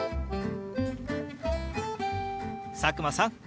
佐久間さん